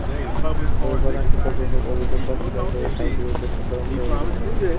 তবে প্রধান শিক্ষক এসব অভিযোগ অস্বীকার করে তাঁর বিরুদ্ধে ষড়যন্ত্রের অভিযোগ এনেছেন।